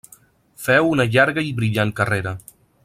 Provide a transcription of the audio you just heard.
Feu una llarga i brillant carrera.